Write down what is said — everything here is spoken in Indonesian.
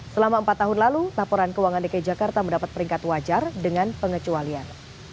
selama empat tahun lalu laporan keuangan dki jakarta mendapat peringkat wajar dengan pengecualian